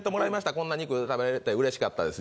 こんな肉食べれて嬉しかったです。